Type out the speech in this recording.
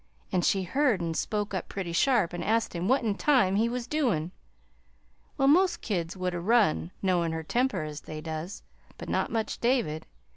an' she heard an' spoke up pretty sharp an' asked him what in time he was doin'. Well, most kids would 'a' run, knowin' her temper as they does, but not much David.